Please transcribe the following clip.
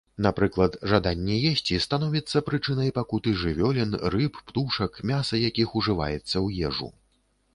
Напрыклад, жаданне есці становіцца прычынай пакуты жывёлін, рыб, птушак, мяса якіх ужываецца ў ежу.